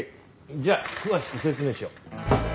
じゃあ詳しく説明しよう。